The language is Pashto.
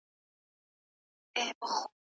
که ماسوم ته پاملرنه وسي نو استعداد یې وده کوي.